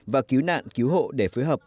và cứu nạn cứu hộ để phối hợp